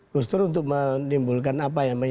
gus dur untuk menimbulkan apa ya